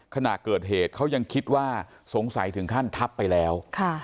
ขณะเกิดเหตุเขายังคิดว่าสงสัยถึงขั้นทับไปแล้ว